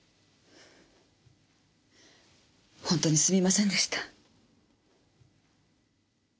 本当にすみませんでした。